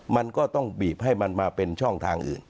มันก็ต้องบีบให้มันมาเป็นช่องทางอื่น